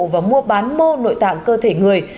và mua bán mô nội tạng cơ thể người